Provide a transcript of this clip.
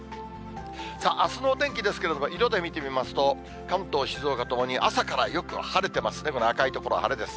さあ、あすのお天気ですけれども、色で見てみますと、関東、静岡ともに朝からよく晴れてますね、この赤い所、晴れです。